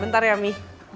bentar ya mi